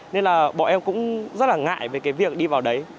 nên là bọn em cũng rất là ngại về cái việc đi vào đấy